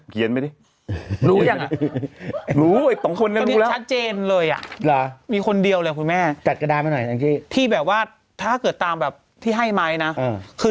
เขียนไปดิรู้ยังรู้ไหมหนึ่งคนแบบนี้แบบว่าถ้าเกิดตามแบบที่ให้ไหมนะคือ